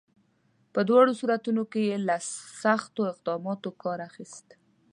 په دواړو صورتونو کې یې له سختو اقداماتو کار اخیست.